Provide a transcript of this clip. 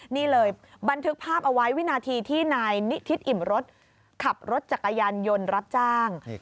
นี่เลยบันทึกภาพเอาไว้วินาทีที่นายนิทิศอิ่มรถขับรถจักรยานยนต์รับจ้าง